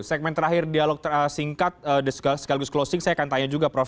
segmen terakhir dialog singkat sekaligus closing saya akan tanya juga prof